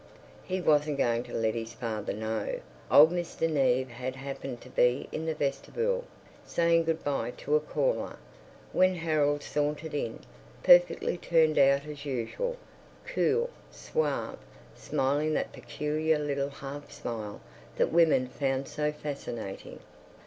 He wasn't going to let his father know. Old Mr. Neave had happened to be in the vestibule, saying good bye to a caller, when Harold sauntered in, perfectly turned out as usual, cool, suave, smiling that peculiar little half smile that women found so fascinating.